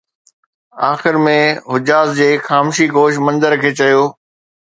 آخر ۾ حجاز جي خامشي گوش منتظر کي چيو